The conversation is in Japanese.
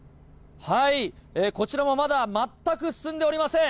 こちらはまだ全く進んでおりません。